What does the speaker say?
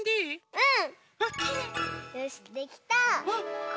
うん！